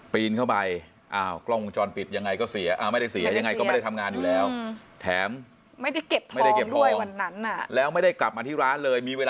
ปีนเข้าไปอ้าวกล้องมุมจรปิดยังไงก็เสีย